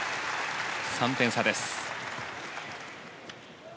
３点差です。